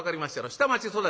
下町育ち。